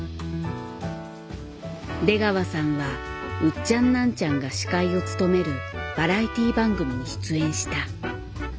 出川さんはウッチャンナンチャンが司会を務めるバラエティー番組に出演した。